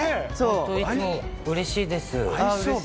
本当いつもうれしいです。